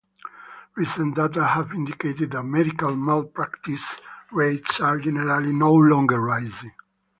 Recent data have indicated that medical malpractice rates are generally no longer rising.